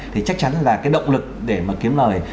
thì chắc chắn là cái động lực để mà kiếm lời